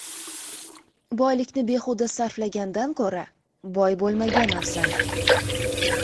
• Boylikni bexuda sarflagandan ko‘ra, boy bo‘lmagan afzal.